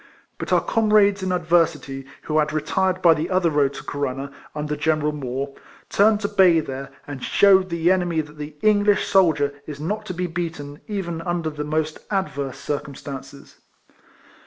But our comrades in adver sity, and who had retired by the other road to Corunna, under General Moore, RIFLEMAN HARRIS. 237 turned to bay there, and shewed the enemy that the English soldier is not to be beaten even under the most adverse circum stances.